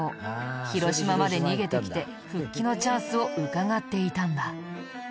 広島まで逃げてきて復帰のチャンスをうかがっていたんだ。